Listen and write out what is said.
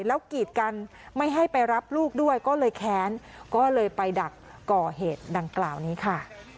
แล้วกีดกันไม่ให้ไปรับลูกด้วยก็เลยแค้นก็เลยไปดักก่อเหตุดังกล่าวนี้ค่ะ